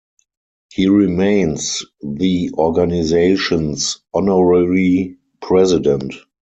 He remains the organization's honorary president.